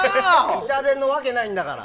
イタ電のわけないんだから。